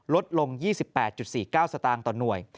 ลดลง๒๘๔๙สตางค์ต่อหน่วย